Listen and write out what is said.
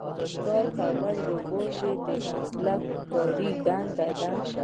ښکار کول یوازې د مسلکي ښکاري دنده ده.